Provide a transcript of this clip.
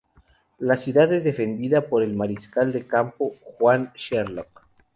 La ciudad es defendida por el mariscal de campo Juan Sherlock.